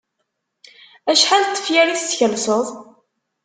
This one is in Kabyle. Acḥal n tefyar i teskelseḍ?